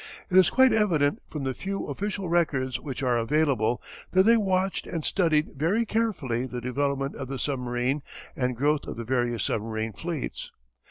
It is quite evident from the few official records which are available that they watched and studied very carefully the development of the submarine and growth of the various submarine fleets.